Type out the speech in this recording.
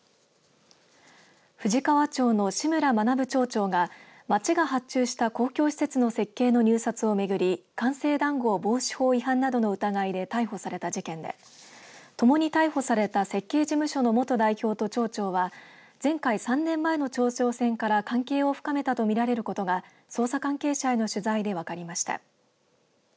富士川町の志村学町長が町が発注した公共施設の設計の入札をめぐり官製談合防止法違反などの疑いで逮捕された事件でともに逮捕された設計事務所の元代表と町長は前回３年前の町長選から関係を深めたとみられることが捜査関係者への取材で分かりました。